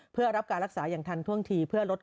เพื่อรับรักษาทันที่เพื่อสามารถลดการเสียชีวิต